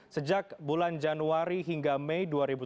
sejak bulan januari hingga mei dua ribu tujuh belas